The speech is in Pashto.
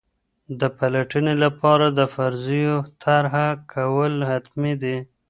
د پلټني لپاره د فرضیو طرحه کول حتمي دي.